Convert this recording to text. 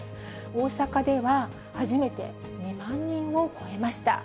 大阪では初めて２万人を超えました。